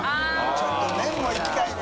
ちょっと麺もいきたいね。